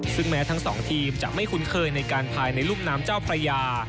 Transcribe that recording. ซึ่งแม้ทั้งสองทีมจะไม่คุ้นเคยในการภายในรุ่มน้ำเจ้าพระยา